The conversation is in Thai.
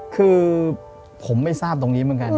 คือผมไม่ทราบตรงนี้เหมือนกัน